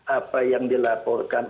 apa yang dilaporkan